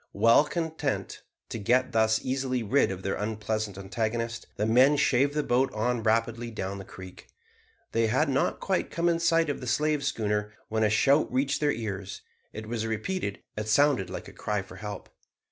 Well content to get thus easily rid of their unpleasant antagonist, the men shaved the boat on rapidly down the creek. They had not quite come in sight of the slave schooner when a shout reached their ears. It was repeated. It sounded like a cry for help.